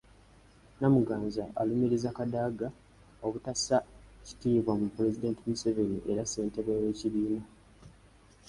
Namuganza alumiriza Kadaga obutassa kitiibwa mu Pulezidenti Museveni era ssentebbe w’ekibiina.